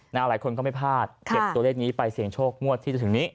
หลายคนก็ไม่พลาดเก็บตัวเลขนี้ไปเสี่ยงโชคงวดที่จะถึงนี้